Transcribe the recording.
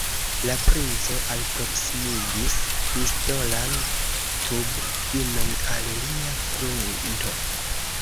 La princo alproksimigis pistolan tubfinon al lia frunto.